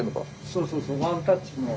そうそうそうワンタッチの。